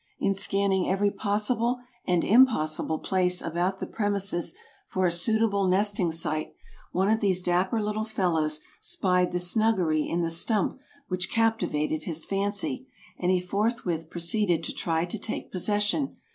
In scanning every possible and impossible place about the premises for a suitable nesting site, one of these dapper little fellows spied the snuggery in the stump which captivated his fancy, and he forthwith proceeded to try to take possession.